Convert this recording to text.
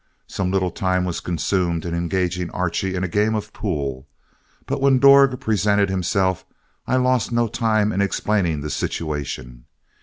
Some little time was consumed in engaging Archie in a game of pool, but when Dorg presented himself I lost no time in explaining the situation.